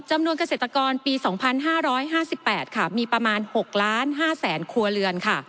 จำนวนเกษตรกรปี๒๕๕๘มีประมาณ๖๕๐๐๐๐๐ครัวเรือน